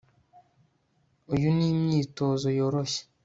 Uyu ni imyitozo yoroshye